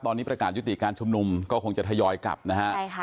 ตอนนี้ประกาศยุติการชุมนุมก็คงจะทยอยกลับนะฮะใช่ค่ะ